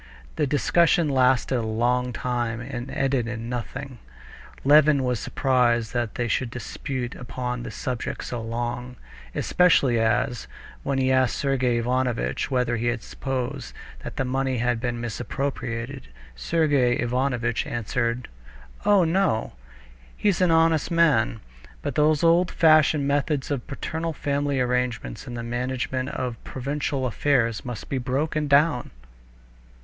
The discussion lasted a long time and ended in nothing. Levin was surprised that they should dispute upon this subject so long, especially as, when he asked Sergey Ivanovitch whether he supposed that money had been misappropriated, Sergey Ivanovitch answered: "Oh, no! He's an honest man. But those old fashioned methods of paternal family arrangements in the management of provincial affairs must be broken down."